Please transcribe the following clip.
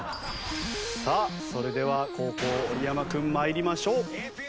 さあそれでは後攻織山君参りましょう。